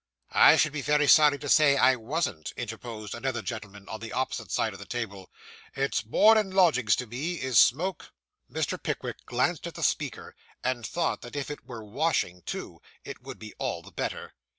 'I should be very sorry to say I wasn't,' interposed another gentleman on the opposite side of the table. 'It's board and lodgings to me, is smoke.' Mr. Pickwick glanced at the speaker, and thought that if it were washing too, it would be all the better.